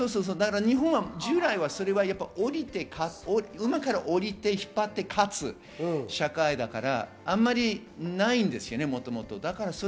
日本は従来、馬から降りて、引っ張って勝つ社会だからあまりないんですよね、もともと。